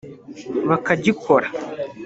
bakagikora